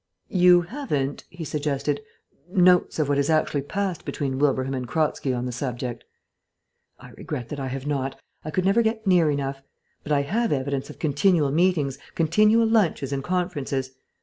"You haven't," he suggested, "notes of what has actually passed between Wilbraham and Kratzky on the subject?" "I regret that I have not. I could never get near enough.... But I have evidence of continual meetings, continual lunches and conferences.